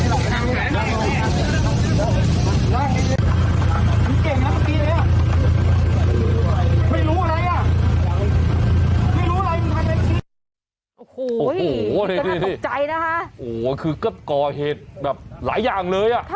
โอ้โหคือก็ก่อเหตุแบบหลายอย่างเลย